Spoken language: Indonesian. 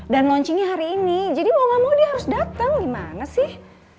dan launchingnya hari ini jadi mau gak mau dia harus dateng gimana sih